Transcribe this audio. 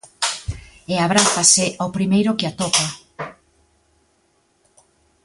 E abrázase ao primeiro que atopa.